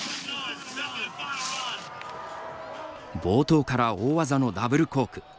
冒頭から大技のダブルコーク。